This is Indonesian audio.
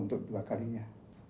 untuk dua kalinya